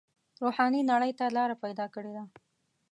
روحاني نړۍ ته لاره پیدا کړې ده.